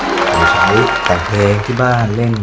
แล้ววันนี้ผมมีสิ่งหนึ่งนะครับเป็นตัวแทนกำลังใจจากผมเล็กน้อยครับ